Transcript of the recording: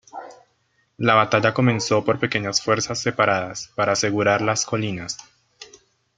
La batalla comenzó por pequeñas fuerzas separadas para asegurar las colinas.